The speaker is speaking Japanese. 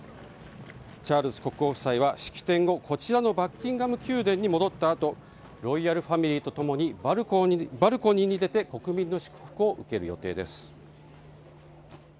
チャールズ国王夫妻は式典後こちらのバッキンガム宮殿に戻った後ロイヤルファミリーとともにバルコニーに出て国民の祝福を受ける予定です。